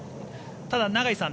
ただ、永井さん